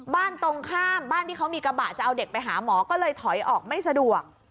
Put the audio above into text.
ตรงข้ามบ้านที่เขามีกระบะจะเอาเด็กไปหาหมอก็เลยถอยออกไม่สะดวก